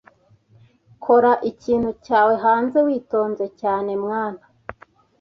Kora ikintu cyawe hanze witonze cyane mwana